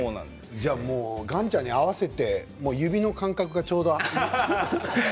じゃあ岩ちゃんに合わせて指の間隔がちょうど。